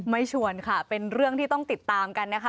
ชวนค่ะเป็นเรื่องที่ต้องติดตามกันนะคะ